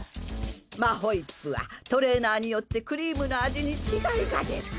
マホイップはトレーナーによってクリームの味に違いが出る。